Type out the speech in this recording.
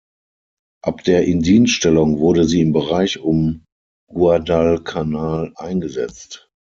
Ab der Indienststellung wurde sie im Bereich um Guadalcanal eingesetzt.